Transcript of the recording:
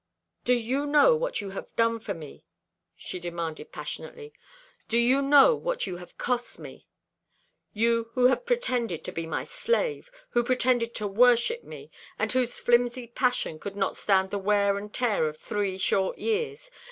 "Do you know what you have done for me?" she demanded passionately. "Do you know what you have cost me you who pretended to be my slave, who pretended to worship me, and whose flimsy passion could not stand the wear and tear of three short years?